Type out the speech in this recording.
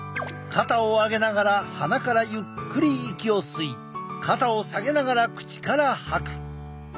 肩を上げながら鼻からゆっくり息を吸い肩を下げながら口から吐く。